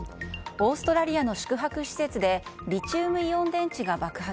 オーストラリアの宿泊施設でリチウムイオン電池が爆発。